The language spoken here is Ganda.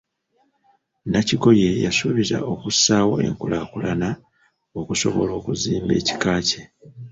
Nakigoye yasuubizza okussaawo enkulaakulana okusobola okuzimba ekika kye.